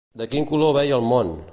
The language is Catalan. De quin color veia el món?